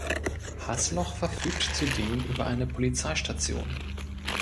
Haßloch verfügt zudem über eine Polizeistation.